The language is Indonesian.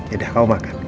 ya udah kamu makan